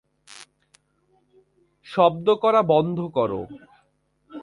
শব্দ করা বন্ধ কর!